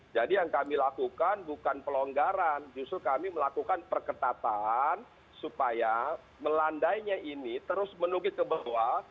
jadi yang kami lakukan bukan pelonggaran justru kami melakukan perketatan supaya melandainya ini terus menunggu keberadaan